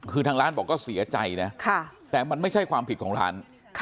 คือทางร้านบอกก็เสียใจนะแต่มันไม่ใช่ความผิดของร้าน